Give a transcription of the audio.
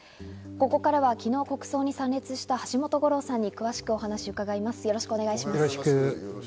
ここからは昨日、国葬に参列した橋本五郎さんに詳しくお話を伺います。